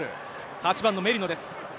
８番のメリノです。